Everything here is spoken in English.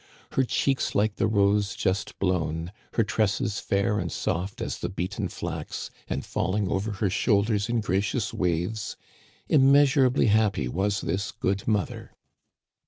Her cheeks like the rose just blown, her tresses fair and soft as the beaten flax and falling over her shoulders in gracious waves ! Immeas urably happy was this good mother.